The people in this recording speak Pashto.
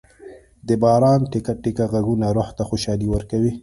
د باران ټېکه ټېکه ږغونه روح ته خوشالي ورکوي.